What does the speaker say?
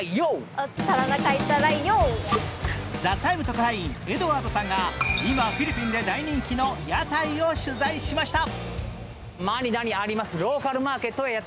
特派員、エドワードさんが今、フィリピンで大人気の屋台を取材しました。